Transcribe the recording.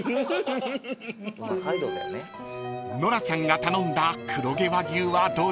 ［ノラちゃんが頼んだ黒毛和牛はどうですか？］